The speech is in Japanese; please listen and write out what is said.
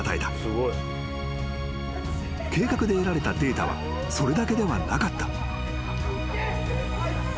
［計画で得られたデータはそれだけではなかった］